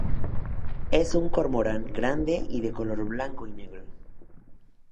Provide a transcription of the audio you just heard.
Es un cormorán grande y de color blanco y negro.